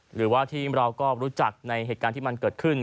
หรือว่าทีมเราก็รู้จักในเหตุการณ์ที่มันเกิดขึ้น